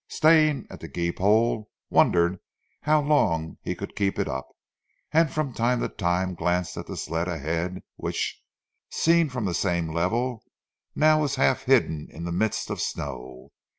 Stane at the gee pole wondered how long he could keep it up, and from time to time glanced at the sled ahead, which, seen from the same level, now was half hidden in a mist of snow.